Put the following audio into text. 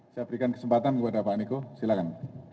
saya berikan kesempatan kepada pak niko silahkan